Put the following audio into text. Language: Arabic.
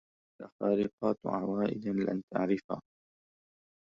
لك خارقات عوائد لن تعرفا